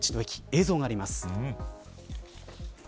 映像があります。